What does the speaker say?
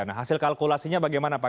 makasihnya bagaimana pak